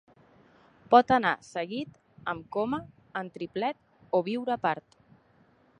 Pot anar seguit, amb coma, en triplet o viure apart.